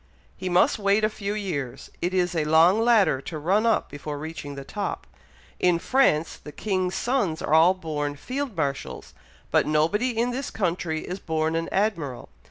"He must wait a few years. It is a long ladder to run up before reaching the top. In France, the king's sons are all born Field Marshals, but nobody in this country is born an Admiral.